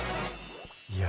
いや